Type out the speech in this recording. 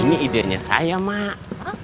ini idenya saya mak